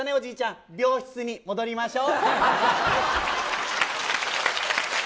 楽しかったね、おじいちゃん、病室に戻りましょう。